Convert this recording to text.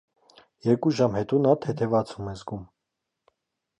Երկու ժամ հետո նա թեթևացում է զգում։